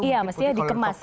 iya mesti ya dikemas ya